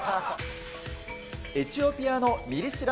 エチオピアのミリ知ら